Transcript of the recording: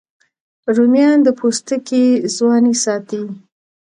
رومیان د پوستکي ځواني ساتي